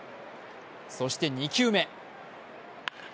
そして２球目。